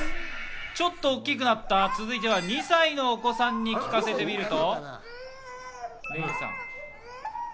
ちょっと大きくなった続いては２歳のお子さんに聞かせてみると。